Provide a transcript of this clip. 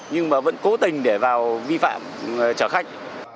nhưng mà vẫn cố tình để vào vi phạm trở khách